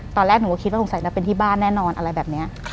ตอนแรกหนูก็คิดว่าสงสัยจะเป็นที่บ้านแน่นอนอะไรแบบนี้